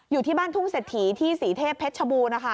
อยู่ที่บ้านทุ่งเศรษฐีที่ศรีเทพเพชรชบูรณนะคะ